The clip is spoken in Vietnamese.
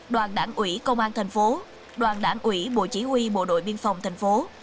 đoàn đảng ủy công an tp đoàn đảng ủy bộ chỉ huy bộ đội biên phòng tp